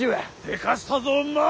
でかしたぞ万寿！